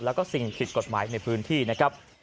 แล้วก็สิ่งผิดกฎหมายในพื้นที่นะครับ